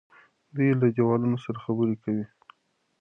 دی له دیوالونو سره خبرې کوي.